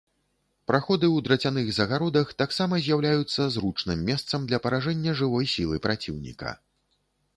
Праходы ў драцяных загародах таксама з'яўляюцца зручным месцам для паражэння жывой сілы праціўніка.